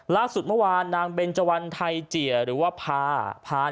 ล่าสุดเมื่อวานนางเบนเจวันไทยเจียหรือว่าพาพาน